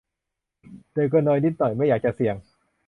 แต่ก็นอยนิดหน่อย ไม่อยากจะเสี่ยง